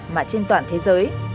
mà trên toàn thế giới